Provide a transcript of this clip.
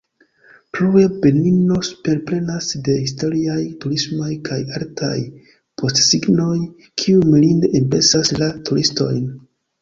Plue, Benino superplenas de historiaj, turismaj, kaj artaj postsignoj, kiuj mirinde impresas la turistojn.